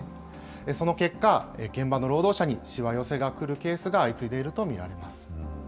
その結果、現場の労働者にしわ寄せがくるケースが相次いでいると見られます。